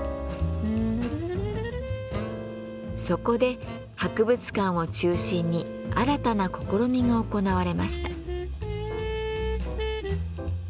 そこで博物館を中心に新たな試みが行われました。